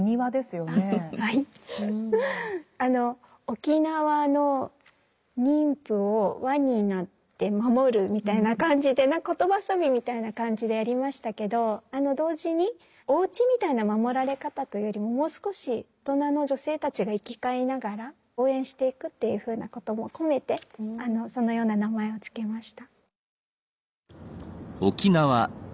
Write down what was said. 「沖縄の妊婦を輪になって守る」みたいな感じで言葉遊びみたいな感じでやりましたけど同時におうちみたいな守られ方というよりももう少し大人の女性たちが行き交いながら応援していくというふうなことも込めてそのような名前を付けました。